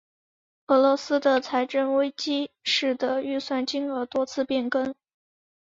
俄罗斯的财政危机使得预算金额多次变更。